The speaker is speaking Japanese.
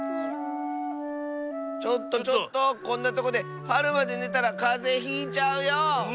ちょっとちょっとこんなとこではるまでねたらかぜひいちゃうよ。